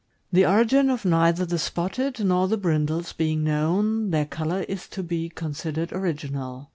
The origin of neither the spotted nor the brindles being known, their color is to be considered original.